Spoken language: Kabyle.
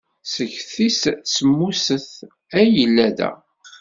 Seg tis semmuset ay yella da.